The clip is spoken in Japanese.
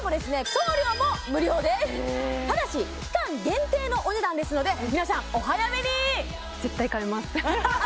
送料も無料ですただし期間限定のお値段ですので皆さんお早めに絶対買います